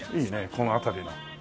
この辺りが。